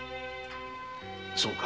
そうか。